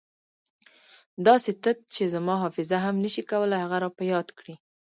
داسې تت چې زما حافظه هم نه شي کولای هغه را په یاد کړي.